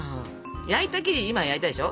焼いた生地今焼いたでしょ？